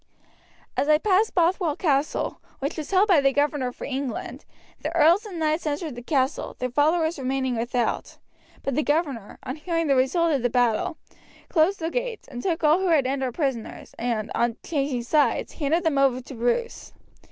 As they passed Bothwell Castle, which was held by the governor for England, the earls and knights entered the castle, their followers remaining without; but the governor, on hearing the result of the battle, closed the gates and took all who had entered prisoners, and, changing sides, handed them over to Bruce.